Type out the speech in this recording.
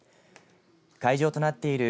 会場となっている